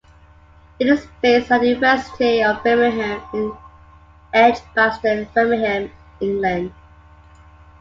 It is based at the University of Birmingham in Edgbaston, Birmingham, England.